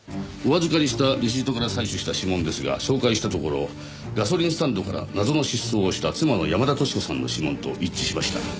お預かりしたレシートから採取した指紋ですが照会したところガソリンスタンドから謎の失踪をした妻の山田淑子さんの指紋と一致しました。